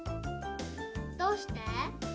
どうして？